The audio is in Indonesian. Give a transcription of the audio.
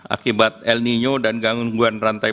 akibat el nino dan gangguan rantai